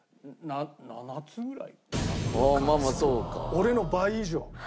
俺の倍以上。